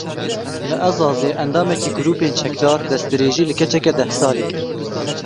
Li Ezazê endamekî grûpên çekdar destdirêjî li keçeke deh salî kir.